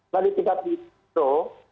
nah di tingkat mikro